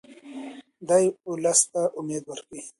دی ولس ته امید ورکوي.